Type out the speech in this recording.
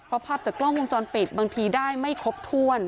เพราะภาพจากกล้องวงจรปิดบางทีได้ไม่ครบถ้วน